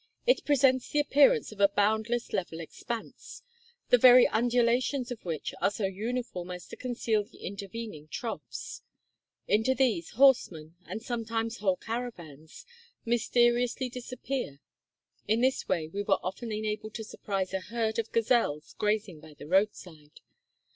It presents the appearance of a boundless level expanse, the very undulations of which are so uniform as to conceal the intervening 116 Across Asia on a Bicycle troughs. Into these, horsemen, and sometimes whole caravans, mysteriously disappear. In this way we were often enabled to surprise a herd of gazelles grazing by the roadside.